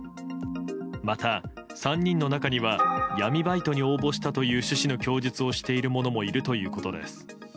また、３人の中には闇バイトに応募したという趣旨の供述をしている者もいるということです。